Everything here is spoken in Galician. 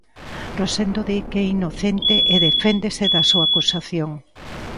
Rosendo di que é inocente e deféndese da súa acusación.